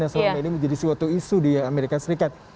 yang selama ini menjadi suatu isu di amerika serikat